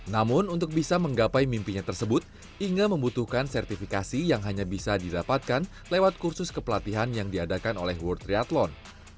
namun untuk bisa menggapai mimpinya tersebut inge membutuhkan sertifikasi yang hanya bisa didapatkan lewat kursus kepelatihan yang diadakan oleh world triathlon